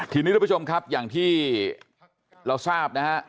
ทีนี้ทุกผู้ชมครับอย่างที่เราทราบนะฮะ